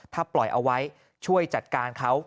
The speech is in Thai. ถ้าปล่อยเอาไว้ช่วยจัดการเขา